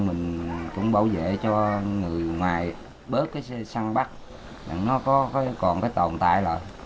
mình cũng bảo vệ cho người ngoài bớt cái săn bắt nó còn cái tồn tại lại